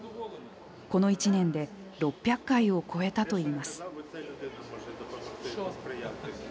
この１年で６００回を超えたといいます。